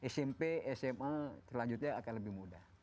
smp sma selanjutnya akan lebih mudah